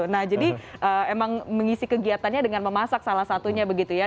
nah jadi emang mengisi kegiatannya dengan memasak salah satunya begitu ya